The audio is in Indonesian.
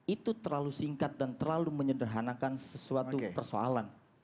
itu terlalu singkat dan terlalu menyederhanakan sesuatu persoalan